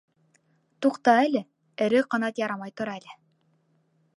Туҡта әле, эре ҡанат ярмай тор әле...